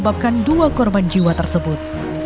dan dua korban jiwa tersebut